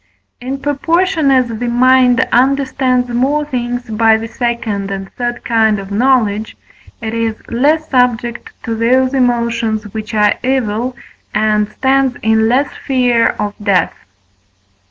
In proportion as the mind understands more things by the second and third kind of knowledge, it is less subject to those emotions which are evil, and stands in less fear of death.